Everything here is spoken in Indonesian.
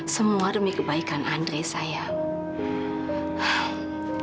semua demi kebaikan andre sayang